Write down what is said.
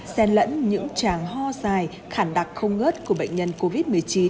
xen lẫn những tràng ho dài khẳng đặc không ngớt của bệnh nhân covid một mươi chín